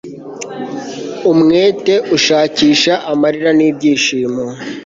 Umwete ushakisha amarira nibyishimo